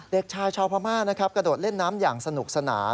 เด็กชายชาวพม่านะครับกระโดดเล่นน้ำอย่างสนุกสนาน